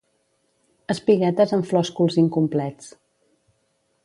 Espiguetes amb flòsculs incomplets.